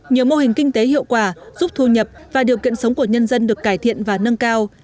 nhiều mô hình kinh tế hiệu quả giúp thu nhập và điều kiện sống của nhân dân được cải thiện và nâng cao